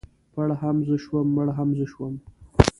ـ پړ هم زه شوم مړ هم زه شوم.